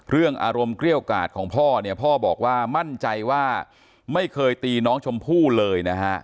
เรื่องอารมณ์เกรี้ยวกาดของพ่อเนี่ยพ่อบอกว่ามั่นใจว่าไม่เคยตีน้องชมพู่เลยนะฮะ